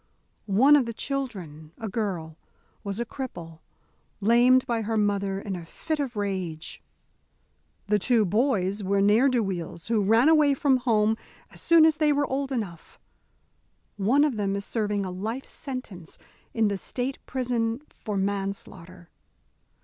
One of the children, a girl, was a cripple, lamed by her mother in a fit of rage. The two boys were ne'er do weels who ran away from home as soon as they were old enough. One of them is serving a life sentence in the State prison for manslaughter.